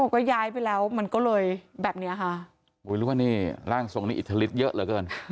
ก็ย้ายไปแล้วมันก็เลยแบบเนี้ยค่ะโอ้ยหรือว่านี่ร่างทรงนี้อิทธิฤทธิเยอะเหลือเกิน